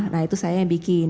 nah itu saya yang bikin